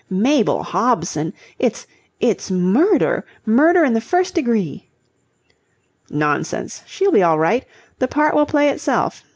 Mabel Hobson! It's... it's murder! Murder in the first degree." "Nonsense. She'll be all right. The part will play itself.